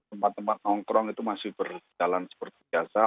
tempat tempat nongkrong itu masih berjalan seperti biasa